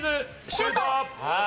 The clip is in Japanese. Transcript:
シュート！